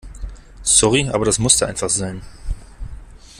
Sorry, aber das musste einfach sein.